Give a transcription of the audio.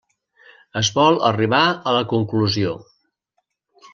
Es vol arribar a la conclusió: